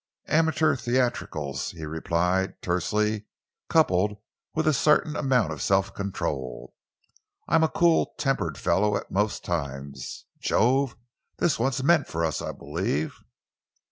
"Amateur theatricals," he replied tersely, "coupled with a certain amount of self control. I am a cool tempered fellow at most times. Jove, this one's meant for us, I believe!"